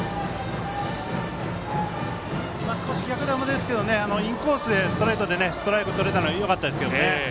逆球ですけどインコースへストレートでストライクとれたのはよかったですよね。